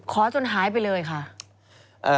จนหายไปเลยค่ะ